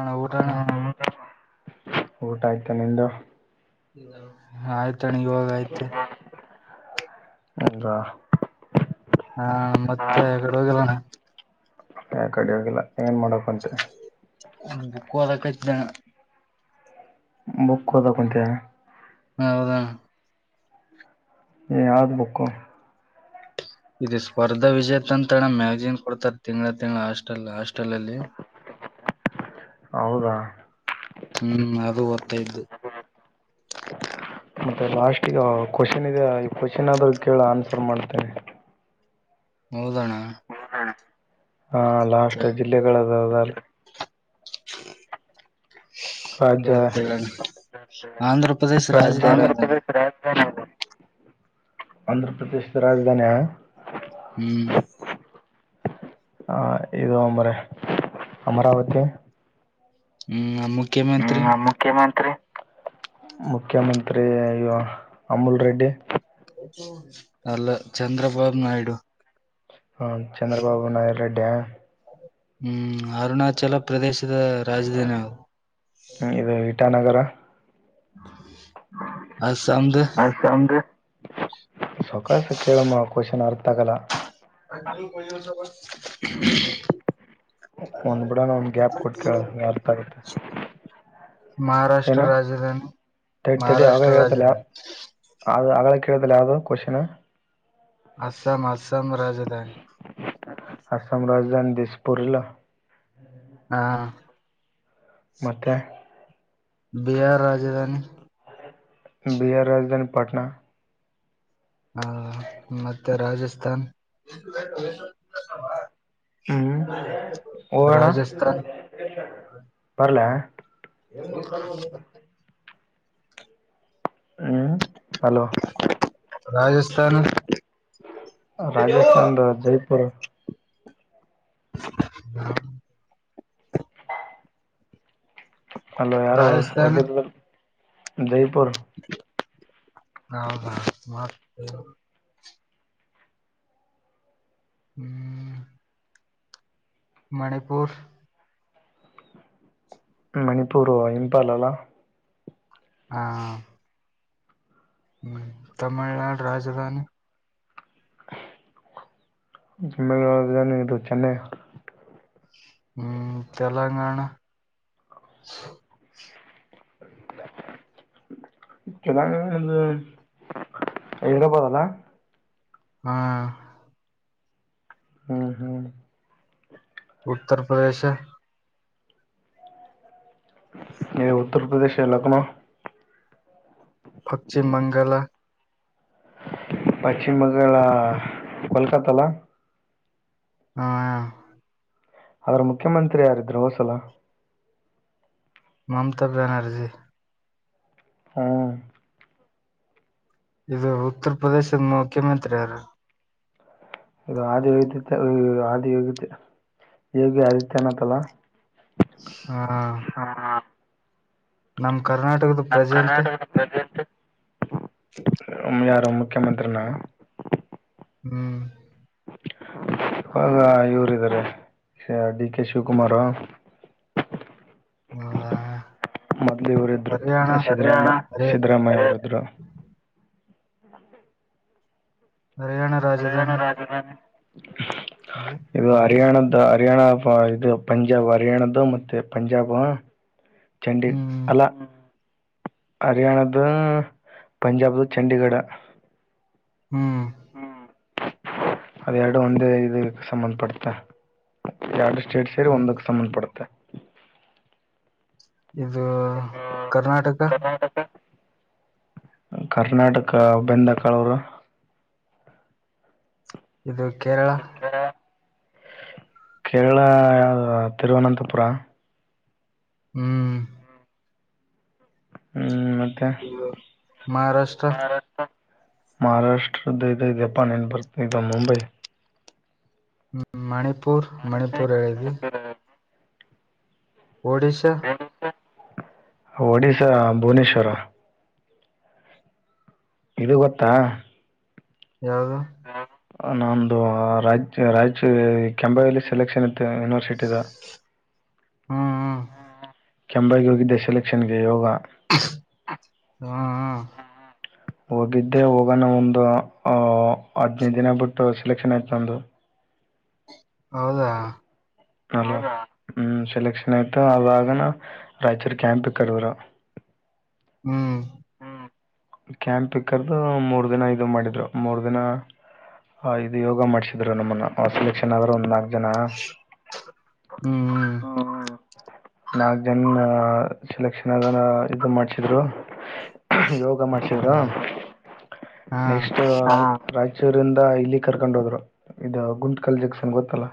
ಅಣ ಊಟಣ ಹ್ಮ ಊಟ ಆಯ್ತ ನಿದು ಆಯ್ತಣ್ಣ ಇವಾಗ ಆಯ್ತೆ ಹಂದು ಹಾ ಮತ್ತೆ ಕಡೆ ಹೋಗಲ್ಲಣ್ಣ ಯ ಕಡಿ ಆಾಗಿಿಲ್ಲ ಏನ್ ಮಾಡಕ್ಂತೆ ನ ಕೂ ಅದ ಕ ಬುಕ್ ಕದ ಕುಂತ ಹೌದಣ ಯಾವ್ದ ಬುಕ್ಕು ಇದು ಸ್ಪರ್ಧಾ ವಿಜೇತ ಅಂತಣ ಮ್ಯಾಗಜಿನ್ ಕೊಡ್ತಾರೆ ತಿಂಗಳ ತಿಂಗಂಳ ಅಷ್ಟ ಅಲ್ಲ ಅಷ್ಟ ಹೌದಾ ಹ್ಮ ಮತ ಇದ್ದು ಮತ್ತೆ ಲಾಸ್ಟ್ ಈಗ ಕ್ವಶನ್ ಇದೆ ಈ ಕ್ವಶನ್ ಆದ್ರೂ ಕೇಳ ಆನ್ಸರ್ ಮಾಡ್ತೇನೆ ಹೌದಣ್ಣ ಹಾ ಲ ಅಷ್ಟ ಜಿಲ್ಲೆಗಳದಾವದಲ್ಲಿ ಕ ರಾಜ್ಯ ಹತಗಣ ಆಂಧ್ರ ಪ್ರದೇಶ ರಾಜ್ಯ ರಾಜಧಾನಿ ಅದಾನೆ ಆಂಧ್ರ ಪ್ರದೇಶದ ರಾಜಧಾನಿ ಆ ಹ್ಮ್ ಹ ಇದು ಅಂಬ್ರ ಅಮರಾವತಿ ಹ್ಮ್ ಮುಖ್ಯಮಂತ್ರಿ ಮುಖ್ಯಮಂತ್ರಿ ಅಮುಲ್ ರೆಡ್ಡಿ ಅಲ್ಲ ಚಂದ್ರಬಾಬು ನಾಯ್ಡು ಹ ಚಂದ್ರಬಾಬು ನಾಯರು ರಡ್ಡ್ಯಾ ಹ್ಮ್ ಅರುಣಾಚಲ ಪ್ರದೇಶದ ರಾಜಧಾನಿ ನಾವು ಹ್ಮ ಇದು ಇಟಾನಗರ ಅಸಂದು ಸಕಸ ಕೇಳಮ್ಮ ಕ್ವಶನ್ ಅರ್ಥ ಆಗಲ್ಲ ಅ ಕೊಸ ಬ ಒಂದ್ ಬಿಿಡಾನ ಒಂದ್ ಗ್ಯಾಪ್ ಕೊಟ್ಕ ಅರ್ಥ ಆಗತ್ತೆ ಮಹಾರಾಷ್ಟ್ರ ಏನು ರಾಜಧಾನಿ ತಡಿ ತಡಿ ಅವರ ಮಹಾರಾಷ್ಟ್ರ ಹೇಳ್ದಲ್ಲ ರಾಜಧಾನಿ ಯಾರ್ ಅದು ಆಗ ಮ ಕೇಳದಲ್ಲ ಯಾವುದು ಕೊಶ್ನ್ ಅಸ್ಸಂ ಅಸ್ಸಾಮ ರಾಜಧಾನಿ ಅಸಮ ರಾಜಧಾನ ಡಿಸ್ ಪುರ್ ಇಲ್ಲ ಹಾ ಮತ್ತೆ ಬಿಹಾರ್ ರಾಜಧಾನಿ ಬಿಹಾರ ರಾಜಧಾನಿ ಪಟ್ನಾ ಹಾ ಮತ್ತೆ ರಾಜಸ್ಥಾನ್ ಹ್ಮ್ ಹೋಗೋಣ ರಾಜಸ್ಥಾನ ಬರ್ಲಾ ಈಕ [unintelligible] ಹ್ಮ್ ಹಲೋ ರಾಜಸ್ಥಾನ ರಾಜಸ್ಥಾನದ ಜಯಪುರ್ ಹ ಅಲೋ ಯಾರು ರಾಜಸ್ಥಾನ [unintelligible] ಜೈಪುರ್ ನಾವು ಭಾರತ್ ಮಾತ್ [unintelligible] ಹ್ಮ್ [unintelligible] ಮಣಿಪುರ್ ಮಣಿಪುರ್ ಇಂಪಾಲ ಅಲ್ಲ ಹಾ ಹ್ಮ್ ತಮಿಳ್ನಾಡು ರಾಜಧಾನಿ [unintelligible] ಇದ್ ಚೆನ್ನೈ ಹ್ಮ್ ತೆಲಂಗಾಣ ಹಾ [inaudible] ಚೆನ್ನಾಗ [unintelligible] ಹಾ ಹ್ಮ್ ಹ್ಮ್ ಉತ್ತರ್ ಪ್ರದೇಶ ಇ ಉತ್ತರ್ ಪ್ರದೇಶ್ ಅಲ್ಲಕಣೊ ಪಶ್ಚಿಮ ಬಂಗಾಳ ಪಶ್ಚಿಮ ಬಂಗಾಳ ಕಲ್ಕತ್ತಲ್ಲ ಹಾ ಆದ್ರ ಮುಖ್ಯಮಂತ್ರಿ ಯಾರಿದ್ರರು ಹೋದ್ಸಲ ಮಮತಾ ಬ್ಯಾನರ್ಜಿ ಹ್ಮ ಇದು ಉತ್ತರ ಪ್ರದೇಶದ ಮುಖ್ಯಮಂತ್ರಿ ಅವ್ರ ಇ ಆದಿ ವ ಆದಿ ಯೋಗಿ ಯೋಗಿ ಆದಿತ್ಯ ಅನಾತ್ತಲ್ಲ ಹಾ ನಮ ಕರ್ನಾಟಕದ ಪ್ರೆಸೆಂಟ್ ಯಾರು ಮುಖ್ಯಮಂತ್ರಿನ ಹ್ಮ್ ಇಾಗ ಇವರಾರೆ ಡಿ ಕೆ ಶಿವಕುಮಾರ ಹಾ ಮೊದ್ಲಿವರ ಇದ್ರು ಸಾಮ್ಯ ಹರಿ ಸಿದ್ದರಾಮಯ್ಯ ಅವರ ಇದ್ರು ಹರಿಯಾಣ ರಾಜಧಾನಿ ಅಲ್ಲಿ ಇದು ಹರಿಯಾಣದ ಇ ಹರ್ಯಾಣ ಇದು ಪಂಜಾಬ್ ಹರ್ಯಾಣದ್ದ ಮತ್ತೆ ಪಂಜಾಬ್ ಚಂಡೀ ಹ್ಮ್ ಅಲ್ಲ ಹರ್ಯಾಣದು ಪಂಜಾಬ್ ದ ಚಂಡೀಗಢ ಹ್ಮ್ ಹ್ಮ್ ಅದೆ ಎರಡು ಒಂದೇ ಇದ ಸಂಬಂಧ ಪಡ್ತ ಎಡು ಸ್ಟೇಟ್ ಸೇರಿ ಹ್ಮ್. ಒಂದಕ್ ಸಂಬಂಧ ಪಡುತ್ತೆ ಇದು ಕರ್ನಾಟಕ ಕರ್ನಾಟಕ ಬೆಂದಕಳವರು ಇದು ಕೇರಳ ಕೇರಳ ತಿರುವನಂತಪುರ ಹ್ಮ್ ಹ್ಮ್ ಮತ್ತೆ ಮಹಾರಾಷ್ಟ್ರ ಮಹಾರಾಷ್ಟ್ರದ್ದ ಇದದುದೆ ಪಾನ ಏನು ಬರ್ತದು ಮುಂಬೈ ್ಮ ಮಣಿಪೂರ್ ಮಣಿಪೂರ್ ಎಳದು ಒಡಶಾ ಒಡಶಾ ಭುವನೇಶ್ವರ ಇದು ಗೊತ್ತಾ ಯಾಗ ನಮ್ಮದು ರಾಜ ರಾಜ ಕೆಂಬಾವಲಿ ಸೆಲೆಕ್ಷನ್ ಇತ್ತು ಯೂನಿವರ್ಸಿಟಿದ ಹ್ಮ್ ಹ್ಮ್ ಕೆಂಬಾಗಿ ಹೋಗಿದ್ದೆ ಸೆಲೆಕ್ಷನ್ ಗೆ ಯೋಗ ಹ್ಮ್ ಹ್ಮ್ ಹೋಗಿದ್ದೆ ಹೋಗೋಣ ಒಂದು ಹದ್ನೈದು ದಿನ ಬಿಟ್ಟು ಸೆಲೆಕ್ಷನ್ ಆಯ್ತು ನಂದು ಹೌದಾ ಅಲ್ಲ ಹ್ಮ್ ಸೆಲೆಕ್ಷನ್ ಆಯ್ತು ಅವಾಗನ ರಾಯಚೂರಿ ಕ್ಯಾಂಪ ಕಡದರು ಹ್ಮ್ ಕ್ಯಾಂಪ್ ಪಿಕ್ಕರ್ದು ಮೂರ್ ದಿನ ಇದು ಮಾಡಿದ್ರು ಮೂರ್ ದಿನ ಹ ಇದು ಯೋಗ ಮಾಡ್ಸಿದ್ರು ನಮ್ಮನ್ನ ಸೆಲೆಕ್ಷನ್ ಆದ್ರ ಒಂದ ಜನ ಹ್ಮ್ ಹ್ಮ್ ಹ್ಮ ನಾಕ್ ಜನ್ ಸೆಲೆಕ್ಷನ್ ಅದ ಇದು ಮಾಡ್ಸಿದ್ರು ಯೋಗ ಮಾಡ್ಸಿದ್ರು ಹೌದಾ ಹಾ ನೆಕ್ಸ್ಟ್ ಚೂರಿಂದ ಇಲ್ಲಿ ಕರ್ಕೊಂಡ್ ಹೋದ್ರು ಇದು ಗುಂಟಕಲ್ ಜಕ್ಷನ್ ಗೊತ್ತಲ್ಲ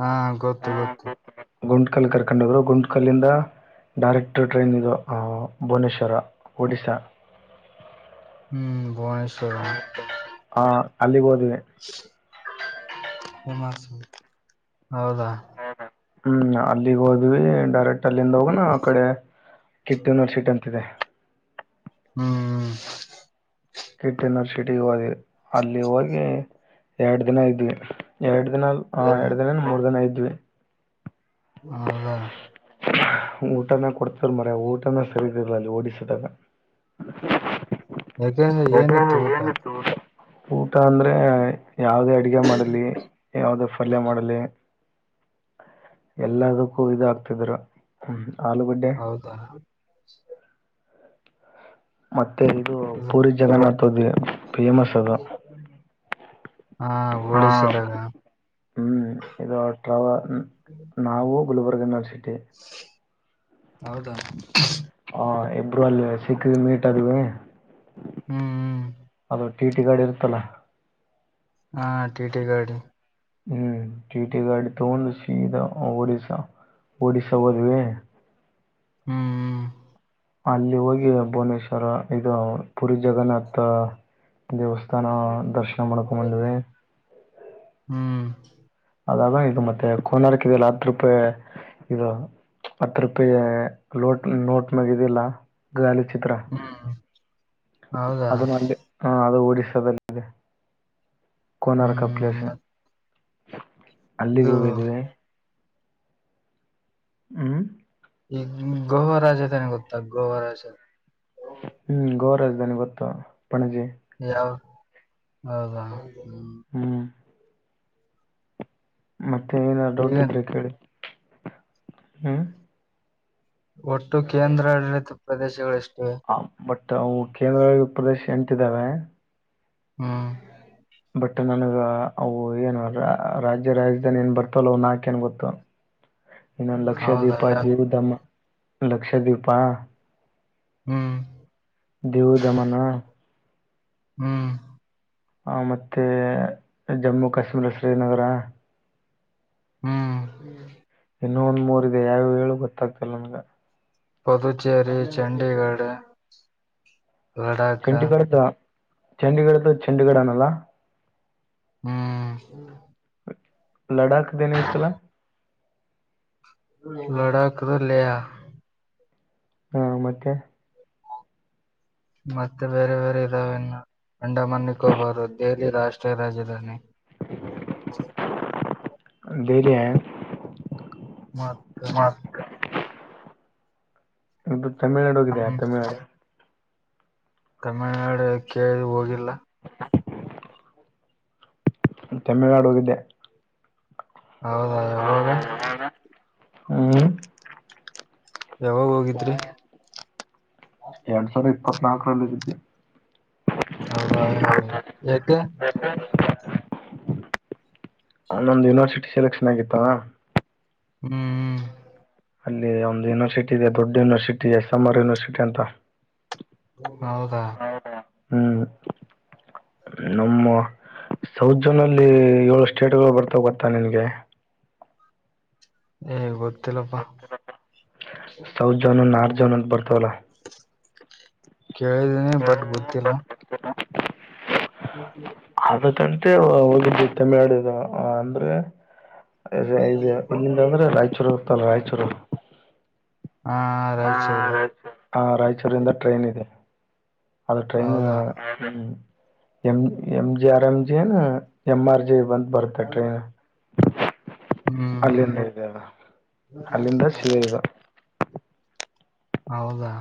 ಹಾ ಗೊತ್ತು ಗೊತ್ತು ಗುಂಟ್ ಕಲ್ಲಿ ಕರ್ಕೊಂಡೋಗ್ರು ಗುಂಟ್ು ಕಲ್ಲಿಂದ ಡೈರೆಕ್ಟ ಟ್ರೈನ್ ಇದು ಭುವನೇಶ್ವರ ಒಡಿಸ್ಶಾ ಹ್ಮ್ ಭುವನೇಶ್ವರ ಹಾ ಅಲ್ಲಿಗೆ ಹೋದಿದೆ ಹಿಮಾಚಲ್ ಹ್ಮ್ ಅಲ್ಲಿಗ್ ಹೋದ್ವಿ ಡೈರೆಕ್ಟ್ ಅಲ್ಲಿಂದ ಹೋಗನ ಆ ಕಡೆ ಕಿತ್ತುನರ್ಸಿಟ್ ಅಂತಿದೆ ಹ್ಮ್ ಕಿಟ್ ಯನಿವರ್ಸಿಟಿ ಹದ್ ಅಲ್ಲಿ ಹೋಗಿ ಎರಡು ದಿನ ಇದ್ವಿ ಎರಡು ಇನೊಂದ ಆ ಹ್ಮ್. ಎರಡು ದೀನ ಮೂರ ದಿನ ಇದ್ವಿ ಹೌದಾ ಊಟನ ಕೊಡ್ತ್ರ ಮರ ಊಟನ ಸರಿ ರ ಅಲ್ಲಿ ಓಡಿಸದಗ ಯಾಕೆ ಯಕ್ ಏನಿತ್ತು ಊಟ ಏನಿತ್ತು ಊಟ ಅಂದ್ರೆ ಯಾವ್ದೇ ಅಡಗೆ ಮಾಡಲಿ ಯಾವ್ದೇ ಪಲ್ಯ ಮಾಡಲಿ ಎಲ್ಲದಕ್ಕೂ ಇದಾಗಗ್ತಿದ್ರ್ಮ ಹೌದಾ ಮತ್ತೆ ಇದು ಪೂರಿ ಜಗನ್ನಾಥದ್ವಿ ಫೇಮಸ್ ಅದು ಹಾ ಹಾ ಹೋಳಿಸಿದಾಗ ಹ್ಮ್ ಇದುಟ ನಾವು ಗುಲ್ಬರ್ಗ್ ಯನಿವರ್ಸಟಿ ಹೌದಾ ಹಾ ಇಬ್ಬರು ಅಲ್ಲಿ ಸಿಕ್ಕಿದ ಮೀಟ್ ಅದವಿ ಹ್ಮ್ ಹ್ಮ್ ಅದು ಟೀ ಟಿ ಗಾಡ್ ಇರುತ್ತಲ್ಲ ಹಾ ಟಿ ಟಿ ಗಡ್ ಹ್ಮ್ ಟಟಿ ಗಾಡಿ ತೋಂದು ಸಿದಾ ಒಡಿಸಾ ಒಡಿಶಾ ಹೋದುವ ಹ್ಮ್ ಅಲ್ಲಿ ಹೋಗಿ ಭುವನೇಶ್ವ ರ ಇದು ಪುರಿ ಜಗನ್ನಾಥ ದೇವಸ್ಥಾನ ದರ್ಶನ ನಾ ಮಾಡ್ಕೊಂಡ ಬಂದ್ವಿ ಹ್ಮ್ ಆದಾಗ ಇದು ಮತ್ತೆ ಕೋನಾರಕ್ ಇಲ್ಲ ಹತ್ರುಪ್ಪೆ ಇದು ಹತ್ ರೂಪಾಯಿ ಲೋಟ್ ನೋಟ್ ಮ್ಯಾಗ ಇದು ಇಲ್ಲ ಹ್ಮ ಅದು ನಲ್ಲಿ ಹಾ ಅದು ಒಡಿಸದಲ್ಲೇ ಕೋನಾರ ಹ್ಮ್ ಕಪ್ಲೇಶನ ಮತ್ ಅಲ್ಲಿಗೆ ಇದು ಹೋಗಿದ್ವೆ ಹ್ಮ್ ಈ ಗೋವಾ ರಾಜ ಅದನ್ ಗೊತ್ತ ಗೋವಾ ರಾಜ ಹ್ಮ್ ಗೋರಾಜಧಾನಿ ಗೊತ್ತು ಪಣಜಿ ಯಾವ ಹೌದಾ ಹ್ಮ್ ಮತ್ತೆ ಏನ ಈಗ ಡೌಟ್ ಇದ್ರೆ ಕೇಳಿ ಹ್ಮ ಒಟ್ಟು ಕೇಂದ್ರಾಡಳಿತ ಪ್ರದೇಶಗಳು ಎಷ್ಟು ಹ ಬಟ್ ಅವು ಕೇಂದ್ರ ಪ್ರದೇಶ ಎಂಟಿದ್ದಾವೆ ಹ್ಮ್ ಬಟ್ ನನಗೆ ಅವು ಏನು ರಾಜ್ಯ ರಾಜಧಾನಿ ಏನು ಬರ್ತಾವಲ್ಲ ಅವ ನಾಕೇನು ಗೊತ್ತು ಇನ್ನ ಹೌದಾ ಲಕ್ಷದವೀಪ ಯಾ ಜೀವಧಮ ಲಕ್ಷದ್ವೀಪಾ ಹ್ಮ್ ದವು ದಮನ ಹ್ಮ್ ಹ ಮತ್ತೆ ಜಮ್ಮು ಕಾಶ್ಮೀರ ಶ್ರೀನಗರ ಹ್ಮ್ ಇನ್ನೂ ಒಂದು ಮೂರಿದೆ ಯಾವ್ಯಾವ ಹೇಳು ಗೊತ್ತಾಗ್ತಲ್ಲ ನನಗೆ ಪುದುಚೇರಿ ಚಂಡೀಗಢ ಲಡಾಕ್ ಚಂಡೀಗಡ ತ ಚಂಡಗಡ ಆನಲ್ಲ ಹ್ಮ್ ಲಡಾಖ್ದ ಏನ ಐತಲ್ಲ ಲಡಾಕದಲ್ಲಿ ಹಾ ಮತ್ತೆ ಮತ್ತೆ ಬೇರೆ ಬೇರೆ ಇದಾವೆನ್ನು ಅಂಡಮನ್ನಿಕ್ಕೆ ಹಬಾರು ದೆಹಲಿ ರಾಷ್ಟ್ರೀಯ ರಾಜಧಾನಿ ಹ ತೇರಿಯಾ ಮತ್ರ ಇದು ತಮಿಳ್ನಾಡುಡ ನಮ್ ಹೋಗಿದೆಯ ತಮಿಳ್ನಾಡು ತಮಿಳ್ನಾಡು ಕೇಳಿ ಹೋಗಿಲ್ಲ ತಮಿಳ್ನಾಡು ಹೋಗಿದ್ದೆ ಹೌದಾ ಯಾವಾಗ ಹ್ಮ್ ಯಾವಾಗ ಹೋಗಿದ್ರಿ ಇಪ್ಪತ್ನಾಲ್ಕರಲ್ಲ ಇದಿದ್ದ ಹೌದ ಯಕ ನನ್ನೊಂದು ಯುನಿವರ್ಸಿಟಿ ಸೆಲೆಕ್ಷನ್ ಆಗಿತ್ತವಾ ಹ್ಮ್ ಹ್ಮ್ ಅಲ್ಲಿ ಒಂದು ಯೂನಿವರ್ಸಟಿ ಇದೆ ದೊಡ್ಡ university S M R university ಅಂತ ಹೌದಾ ಹ್ಮ್ ನಮ್ಮ ಸೌತ್ ಜೋನ ಅಲ್ಲಿ ಏಳು ಸ್ಟೇಟ್ಗಳು ಬರ್ತಾವ ಗೊತ್ತಾ ನಿನ್ಗೆ ಏ ಗೊತ್ತಿಲ್ಲಪ್ಪಾ ಜನತ್ ಬರ್ತಲ್ಲ ಕೇಳಿದೀನಿ ಬಟ್ ಗೊತ್ತಿಲ್ಲ ಹ್ಮ ಅ ತಂಟೆ ಹೋಗಿದ್ದ ತಮ್ಮಡದು ಅಂದ್ರೆ ಅ ಇದೆ ಇಲ್ಲಿ ಅಂದ್ರೆ ರಾಯಚೂರು ಹೋಗ್ತಲ್ಲ ರಾಯಚೂರು ಹಾ ಹ ರಾಯಚೂರು ರ ಹ ರಾಯಚೂರಿಂದ ಟ್ರೈನ್ ಇದೆ ಅದು ಟ್ರೈನ್ ಹೌದಾ M M G R M G ನು ಎಂ ಆರ್ ಜಿ ಬಂದ ಬರುತ್ತೆ ಟ್ರನ್ ಹ್ಮ್ ಅಲ್ಲಿಂದ ಇದೆ ಅದು ಅಲ್ಲಿಂದ ಸಿರೆ ಇದು ಹೌದಾ